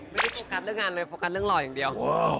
โฟกัสเรื่องงานเลยโฟกัสเรื่องหล่ออย่างเดียว